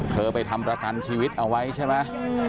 ไปทำประกันชีวิตเอาไว้ใช่ไหม